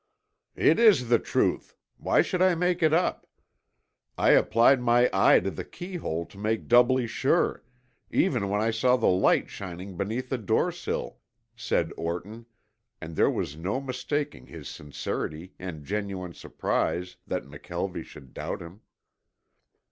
"It is the truth. Why should I make it up? I applied my eye to the key hole to make doubly sure, even when I saw the light shining beneath the doorsill," said Orton, and there was no mistaking his sincerity and genuine surprise that McKelvie should doubt him.